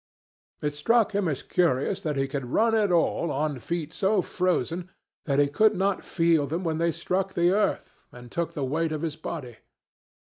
It struck him as curious that he could run at all on feet so frozen that he could not feel them when they struck the earth and took the weight of his body.